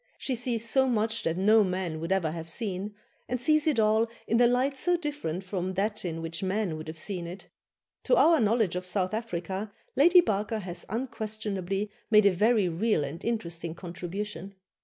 She sees so much that no man would ever have seen, and sees it all in a light so different from that in which men would have seen it. To our knowledge of South Africa, Lady Barker has unquestionably made a very real and interesting contribution.